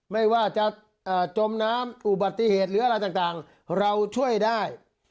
ไม่ว่าจะจมน้ำอุบัติเหตุหรืออะไรต่างเราช่วยได้